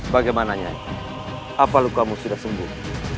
bagaimana nyai apa lukamu sudah sembuh